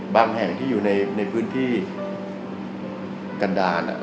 แห่งที่อยู่ในพื้นที่กันดาล